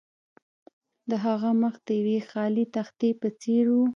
د هغه مخ د یوې خالي تختې په څیر و